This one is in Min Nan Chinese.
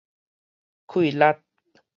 氣力